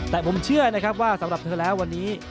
แต่ผมเชื่อนะครับว่าสำหรับเธอแล้ววันนี้